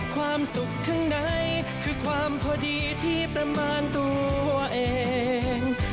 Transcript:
ความสุขข้างในคือความพอดีที่ประมาณตัวเอง